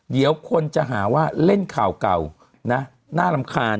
เดี๋ยวคนจะหาว่าเล่นข่าวเก่านะน่ารำคาญ